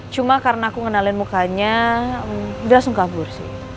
cuma karena aku ngenalin mukanya langsung kabur sih